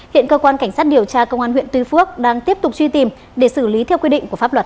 hiện cơ quan cảnh sát điều tra công an huyện tuy phước đang tiếp tục truy tìm để xử lý theo quy định của pháp luật